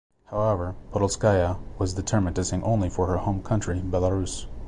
However, Podolskaya was determined to sing only for her home country Belarus.